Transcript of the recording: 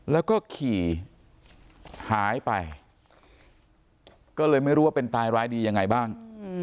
แล้วก็ขี่หายไปก็เลยไม่รู้ว่าเป็นตายร้ายดียังไงบ้าง